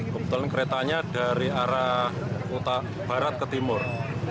kebetulan keretanya dari arah barat ke timur